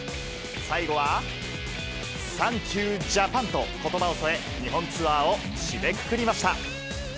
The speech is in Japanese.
最後はサンキュージャパンとことばを添え、日本ツアーを締めくくりました。